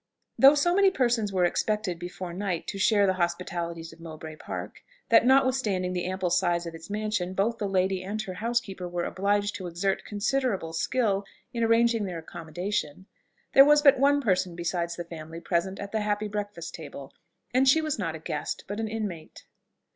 Though so many persons were expected before night to share the hospitalities of Mowbray Park, that, notwithstanding the ample size of its mansion, both the lady and her housekeeper were obliged to exert considerable skill in arranging their accommodation, there was but one person besides the family present at the happy breakfast table; and she was not a guest, but an inmate.